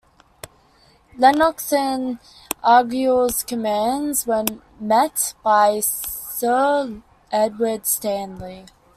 Lennox and Argyll's commands were met by Sir Edward Stanley.